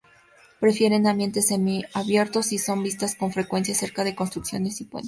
Prefieren ambientes semi-abiertos y son vistas con frecuencia cerca de construcciones y puentes.